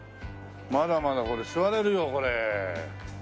まだまだこれ座れるよこれ。